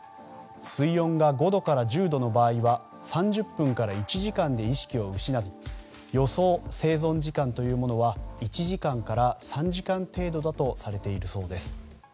水温が５度から１０度の場合は３０分から１時間で意識を失い、予想生存時間は１時間から３時間程度だとされているそうです。